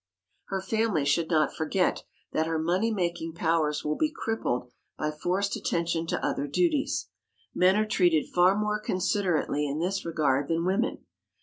[Sidenote: A WORD OF ADVICE] Her family should not forget that her money making powers will be crippled by forced attention to other duties. Men are treated far more considerately in this regard than women.